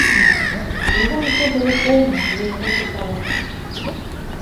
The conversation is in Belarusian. Яго жыццё было поўна для яго цікавасці.